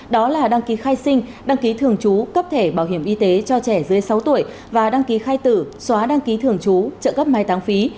đó là đăng ký khai sinh đăng ký thường trú cấp thẻ bảo hiểm y tế cho trẻ dưới sáu tuổi và đăng ký khai tử xóa đăng ký thường trú trợ cấp mai tăng phí